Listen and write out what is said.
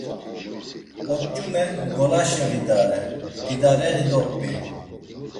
Oç̌ume ngolaşe vidare, tidareği dop̌i.